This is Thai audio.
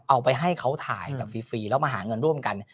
เอาไปให้เขาถ่ายแบบฟรีแล้วมาหาเงินร่วมกัน